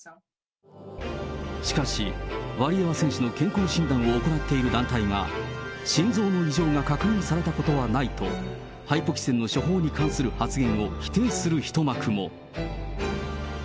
しかし、ワリエワ選手の健康診断を行っている団体が、心臓の異常が確認されたことはないと、ハイポキセンの処方に関する発言を否定する一幕も。